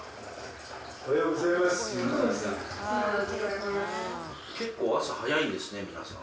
おはようございます、結構朝早いんですね、皆さん